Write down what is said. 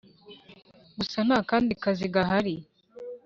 gusa nta kandi kazi gahari